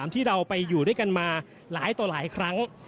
ที่เราไปอยู่ด้วยกันมาหลายต่อหลายครั้ง